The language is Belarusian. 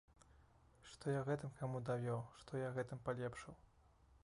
Што я гэтым каму давёў, што я гэтым палепшыў?